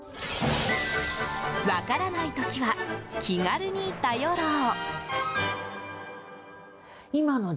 分からない時は気軽に頼ろう。